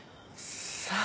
さあ。